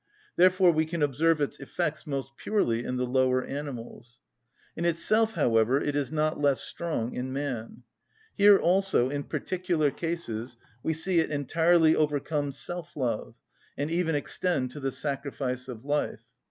Therefore we can observe its effects most purely in the lower animals. In itself, however, it is not less strong in man; here also, in particular cases, we see it entirely overcome self‐love, and even extend to the sacrifice of life.